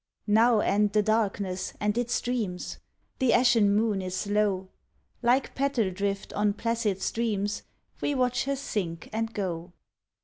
Now end the darkness and its dreams. The ashen moon is low; Like petal drift on placid streams We watch her sink and go.